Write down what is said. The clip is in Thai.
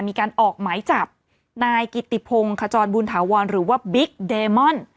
มีการออกหมายจับนายกิติพงศ์ขจรบุญถาวรหรือว่าบิ๊กเดมอน